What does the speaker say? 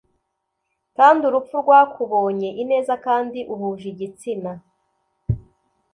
Kandi urupfu rwakubonye ineza kandi uhuje igitsina